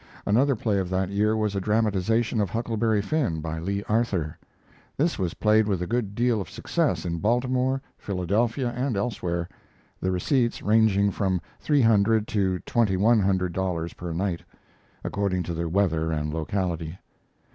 Another play of that year was a dramatization of Huckleberry Finn, by Lee Arthur. This was played with a good deal of success in Baltimore, Philadelphia, and elsewhere, the receipts ranging from three hundred to twenty one hundred dollars per night, according to the weather and locality.